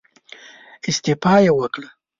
استعفا يې وکړه.